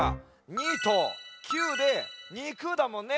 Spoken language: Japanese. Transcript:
２と９で「にく」だもんね。